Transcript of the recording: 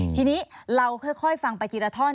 ทีนี้เราค่อยฟังไปทีละท่อน